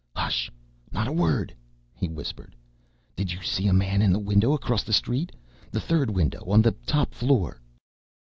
"Hush! Not a word!" he whispered. "Did you see a man in the window across the street? The third window on the top floor?"